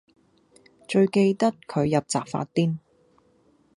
最記得佢入閘發癲